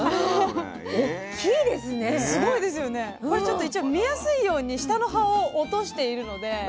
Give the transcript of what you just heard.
これちょっと一応見やすいように下の葉を落としているので。